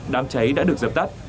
đám cháy đã được dập tắt